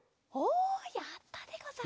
おやったでござる！